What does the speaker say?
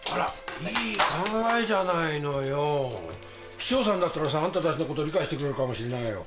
市長さんだったらさあんたたちのこと理解してくれるかもしれないわよ。